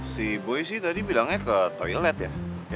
si boy sih tadi bilangnya ke toilet ya